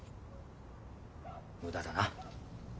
無駄だな。